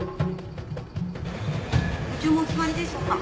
ご注文お決まりでしょうか？